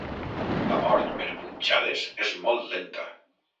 La mort per punxades és molt lenta.